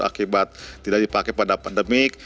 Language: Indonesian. akibat tidak dipakai pada pandemik